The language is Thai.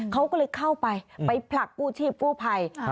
เขาก็เลยเข้าไปไปผลักกู้ชีพกู้ภัย